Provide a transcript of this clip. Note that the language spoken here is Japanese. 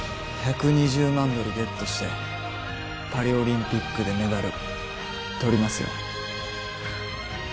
１２０万ドルゲットしてパリオリンピックでメダルとりますよ